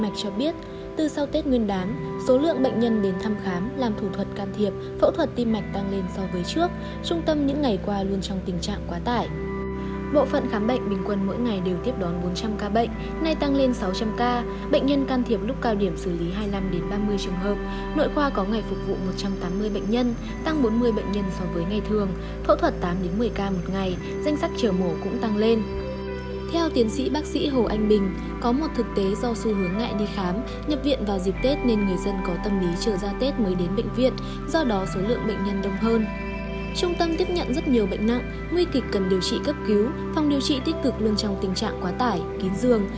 trung tâm tiếp nhận rất nhiều bệnh nặng nguy kịch cần điều trị cấp cứu phòng điều trị tích cực luôn trong tình trạng quá tải kín dương